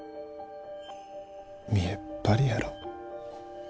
見えっ張りやろ。